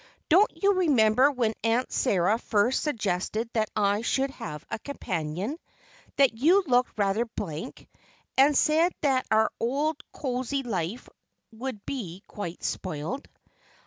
Don't you remember when Aunt Sara first suggested that I should have a companion, that you looked rather blank, and said that our old cosy life would be quite spoiled?"